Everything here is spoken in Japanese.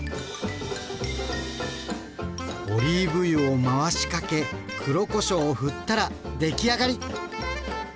オリーブ油を回しかけ黒こしょうをふったら出来上がり。